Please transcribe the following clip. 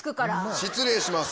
失礼します。